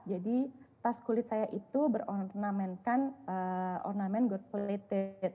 jadi tas kulit saya itu berornamenkan ornament got plated